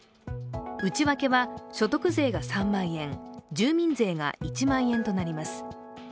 内訳は所得税が３万円、住民税が１万円となります。